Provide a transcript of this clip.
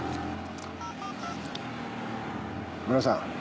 村さん！